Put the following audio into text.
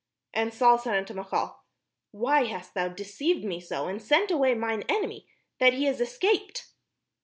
And Saul said unto Michal, "Why hast thou deceived me so, and sent away mine enemy, that he is escaped?"